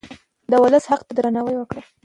د ولس حق ته درناوی وکړئ.